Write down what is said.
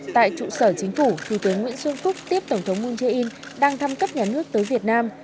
tại trụ sở chính phủ thủ tướng nguyễn xuân phúc tiếp tổng thống moon jae in đang thăm cấp nhà nước tới việt nam